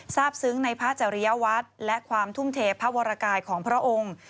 ทราบซึ้งในพระอาจารยวัตต์และความทุ่มเทพวรกายของพระองค์